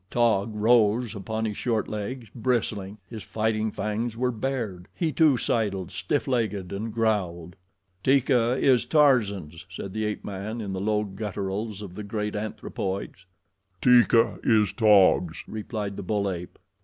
Taug rose upon his short legs, bristling. His fighting fangs were bared. He, too, sidled, stiff legged, and growled. "Teeka is Tarzan's," said the ape man, in the low gutturals of the great anthropoids. "Teeka is Taug's," replied the bull ape.